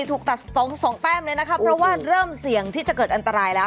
ถูกตัดสองสองแต้มเลยนะคะเพราะว่าเริ่มเสี่ยงที่จะเกิดอันตรายแล้ว